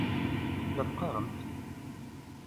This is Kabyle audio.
La teqqaṛemt.